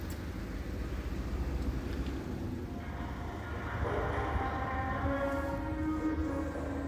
之后连任开封市第十三届人大常委会副主任。